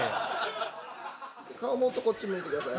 顔もっとこっち向いてください。